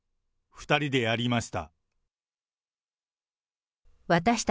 ２人でやりました。